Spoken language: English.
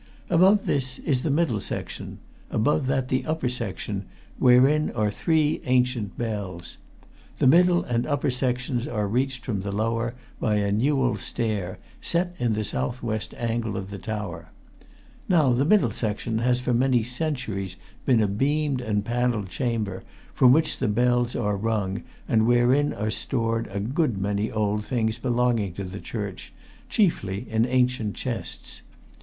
Above this is the middle section; above that the upper section, wherein are three ancient bells. The middle and upper sections are reached from the lower by a newel stair, set in the south west angle of the tower. Now the middle section has for many centuries been a beamed and panelled chamber, from which the bells are rung, and wherein are stored a good many old things belonging to the church chiefly in ancient chests.